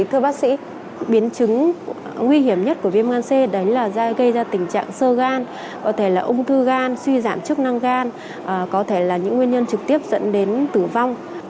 thưa bác sĩ biến chứng nguy hiểm nhất của viêm gan c đấy là gây ra tình trạng sơ gan có thể là ung thư gan suy giảm chức năng gan có thể là những nguyên nhân trực tiếp dẫn đến tử vong